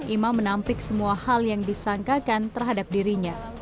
imam menampik semua hal yang disangkakan terhadap dirinya